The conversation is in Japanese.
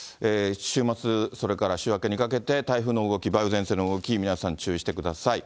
週末、それから週明けにかけて、台風の動き、梅雨前線の動き、皆さん、注意してください。